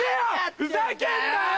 ふざけんなよ！